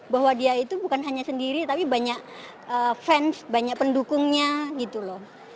bahwa dia itu bukan hanya sendiri tapi banyak fans banyak pendukungnya gitu loh